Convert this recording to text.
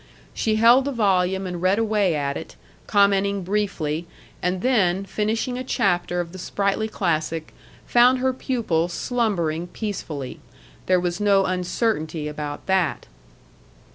She held the volume and read away at it, commenting briefly, and then, finishing a chapter of the sprightly classic, found her pupil slumbering peacefully. There was no uncertainty about that.